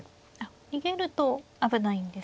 逃げると危ないんですか。